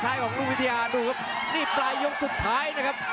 ของลูกวิทยาดูครับนี่ปลายยกสุดท้ายนะครับ